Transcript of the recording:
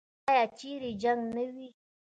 آیا چیرې چې جنګ نه وي؟